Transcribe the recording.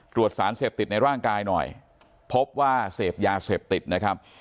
ตรวจสารเสพติดในร่างกายหน่อยพบว่าเสพยาเสพติดนะครับ